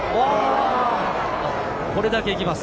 これだけ行きます。